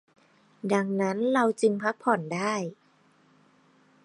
ดังนั้นเราจึงสามารถพักผ่อนได้